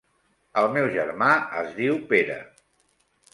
El meu germà es diu Pere.